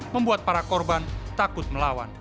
membuat para korban takut melawan